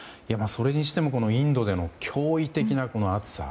それにしてもインドでの驚異的な暑さ。